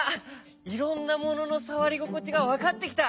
いろんなもののさわりごこちがわかってきた！